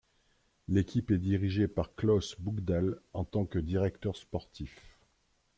L'équipe est dirigée par Klaus Bugdahl en tant que directeur sportif.